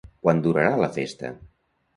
Quant durarà la festa?